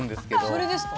それですか？